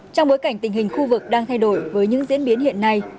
trong bối cảnh tình hình khu vực đang thay đổi với những diễn biến hiện nay